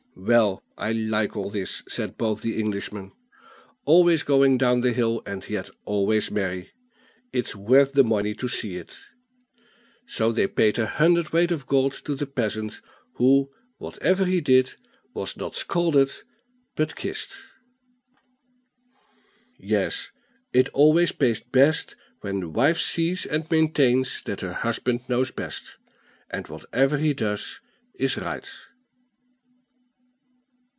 "Well, I like all this," said both the Englishmen; "always going down the hill, and yet always merry; it's worth the money to see it." So they paid a hundred weight of gold to the peasant, who, whatever he did, was not scolded but kissed. Yes, it always pays best when the wife sees and maintains that her husband knows best, and whatever he does is right.